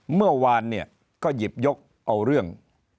เมื่อวานเนี่ยก็หยิบยกเอาเรื่อง